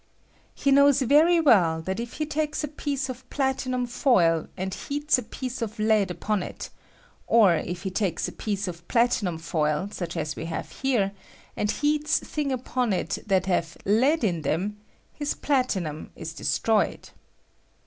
He knowa very well that if ho takes a piece of platinum foil and heats a "piece of lead upon it, or if he takes a piece of platinum foil, such as we have here, and heats things upon it that have lead in them, his plati num is destroyed.